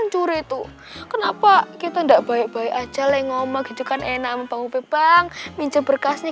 mencuri itu kenapa kita enggak baik baik aja leh ngomak gitu kan enak bang ube bang minjem berkasnya